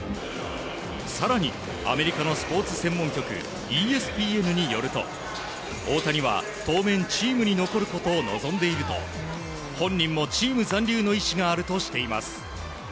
更に、アメリカのスポーツ専門局ＥＳＰＮによると大谷は当面、チームに残ることを望んでいると本人もチーム残留の意思があるとしています。